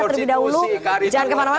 terlebih dahulu jangan kemana mana